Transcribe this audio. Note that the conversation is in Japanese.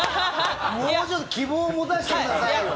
もうちょっと希望を持たせてくださいよ。